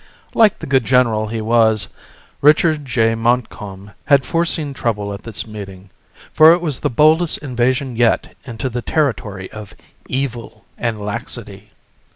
Like the good general he was, Richard J. Montcalm had foreseen trouble at this meeting, for it was the boldest invasion yet into the territory of evil and laxity.